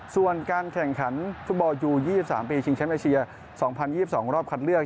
ส่วนการแข่งขันชุมบอลยู๒๓ปีชิงเชียร์มี๒๒รอบคันเลือก